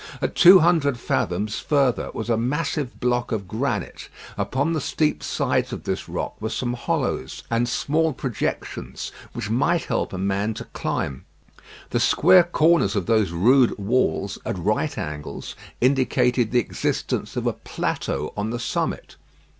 At two hundred fathoms further was a massive block of granite. Upon the steep sides of this rock were some hollows and small projections, which might help a man to climb. The square corners of those rude walls at right angles indicated the existence of a plateau on the summit.